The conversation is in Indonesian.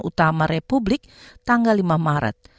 utama republik tanggal lima maret